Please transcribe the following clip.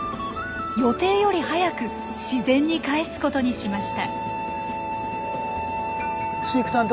予定より早く自然に帰すことにしました。